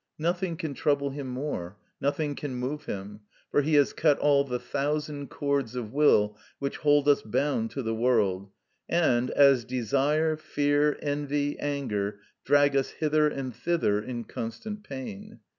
Nothing can trouble him more, nothing can move him, for he has cut all the thousand cords of will which hold us bound to the world, and, as desire, fear, envy, anger, drag us hither and thither in constant pain.